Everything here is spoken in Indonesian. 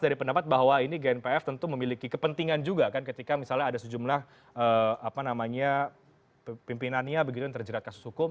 dari pendapat bahwa ini gnpf tentu memiliki kepentingan juga kan ketika misalnya ada sejumlah pimpinannya begitu yang terjerat kasus hukum